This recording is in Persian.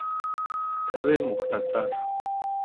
تب مختصر